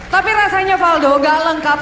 tapi rasanya valdo gak lengkap